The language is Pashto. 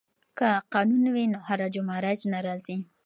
که قانون وي نو هرج و مرج نه راځي.